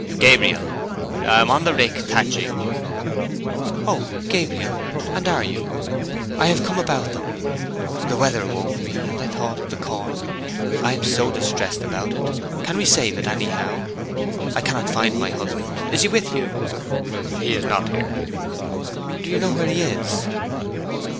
"Gabriel. I am on the rick, thatching." "Oh, Gabriel!—and are you? I have come about them. The weather awoke me, and I thought of the corn. I am so distressed about it—can we save it anyhow? I cannot find my husband. Is he with you?" "He is not here." "Do you know where he is?"